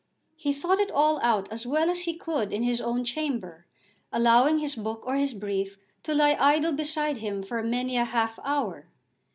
He thought it all out as well as he could in his own chamber, allowing his book or his brief to lie idle beside him for many a half hour.